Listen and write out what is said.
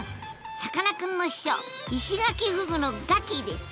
さかなクンの秘書イシガキフグのガキィです。